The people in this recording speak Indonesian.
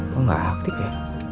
kok gak aktif ya